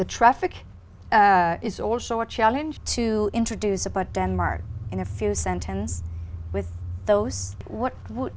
vậy rồi có lẽ anh biết rằng đan mạc là một nhà giagg thụ nổi bống và tôm